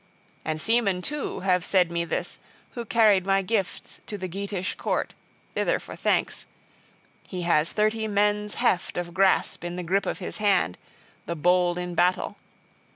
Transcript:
And seamen, too, have said me this, who carried my gifts to the Geatish court, thither for thanks, he has thirty men's heft of grasp in the gripe of his hand, the bold in battle.